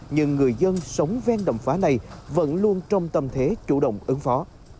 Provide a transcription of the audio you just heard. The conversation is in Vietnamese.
nhưng người dân sống ven đầm phá này vẫn luôn trong tâm thế chủ động ứng phó